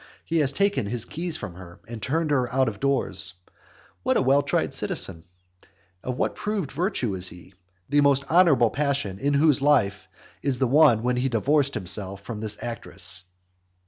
He has taken his keys from her, and turned her out of doors. What a well tried citizen! of what proved virtue is he! the most honourable passage in whose life is the one when he divorced himself from this actress.